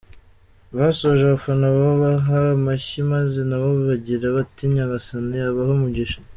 Basoje abafana babaha amashyi maze nabo bagira bati ’Nyagasani abahe umugisha’.